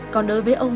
cái này là đó nè